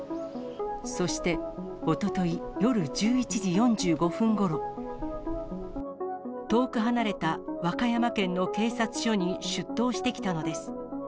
そして、おととい夜１１時４５分ごろ、遠く離れた和歌山県の警察署に出頭してきたのです。